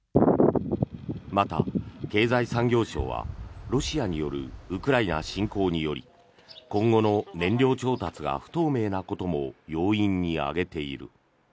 また、経済産業省はロシアによるウクライナ侵攻により今後の燃料調達が不透明なことも要因に挙げている。